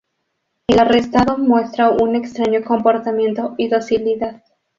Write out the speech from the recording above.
El arrestado muestra un extraño comportamiento y docilidad.